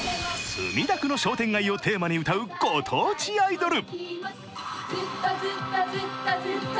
墨田区の商店街をテーマに歌うご当地アイドル。